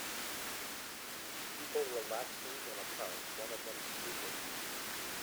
People relaxing in a park one of them sleeping